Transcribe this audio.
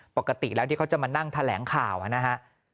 ปกติแล้วที่เขาจะมานั่งแถลงข่าวนะฮะ